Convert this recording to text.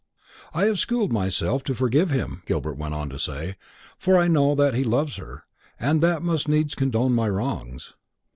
"I have schooled myself to forgive him," Gilbert went on to say, "for I know that he loves her and that must needs condone my wrongs.